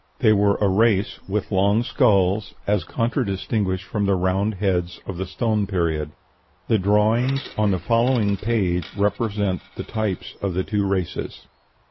They were a race with long skulls, as contradistinguished from the round heads of the Stone Period. The drawings on the following page represent the types of the two races.